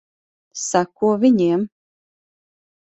Seko viņiem.